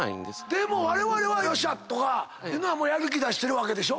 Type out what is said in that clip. でもよっしゃ！とかいうのはやる気出してるわけでしょ。